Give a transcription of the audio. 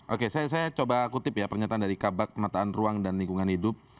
oke saya coba kutip ya pernyataan dari kabak penataan ruang dan lingkungan hidup